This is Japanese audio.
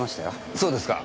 そうですか。